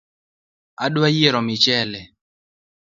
Adwa yiero michele